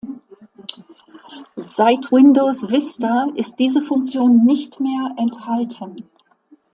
Seit Windows Vista ist diese Funktion nicht mehr enthalten.